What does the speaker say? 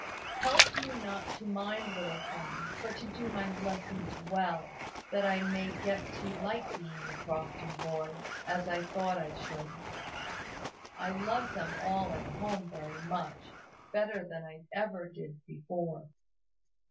Help me not to mind little things; but to do my lessons well, that I may get to like being a Crofton boy, as I thought I should. I love them all at home very much, better than I ever did before.